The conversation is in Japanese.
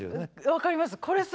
分かります。